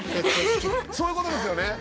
そういうことですよね。